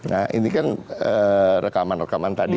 nah ini kan rekaman rekaman tadi